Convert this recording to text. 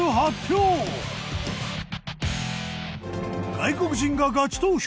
外国人がガチ投票！